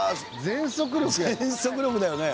全速力だよね。